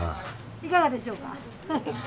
いかがでしょうか？